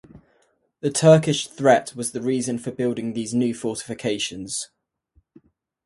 The Turkish threat was the reason for building these new fortifications.